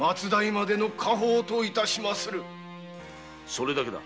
それだけだ。